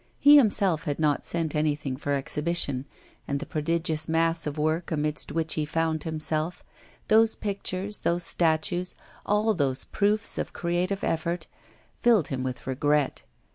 He himself had not sent anything for exhibition, and the prodigious mass of work amidst which he found himself those pictures, those statues, all those proofs of creative effort filled him with regret.